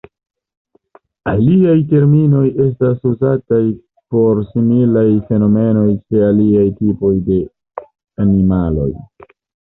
Aliaj terminoj estas uzataj por similaj fenomenoj ĉe aliaj tipoj de animaloj.